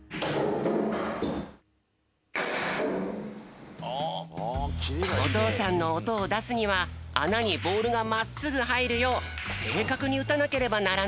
じっさいにおとうさんのおとをだすにはあなにボールがまっすぐはいるようせいかくにうたなければならないんだって。